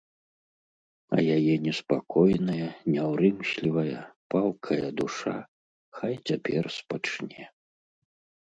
А яе неспакойная, няўрымслівая, палкая душа хай цяпер спачне.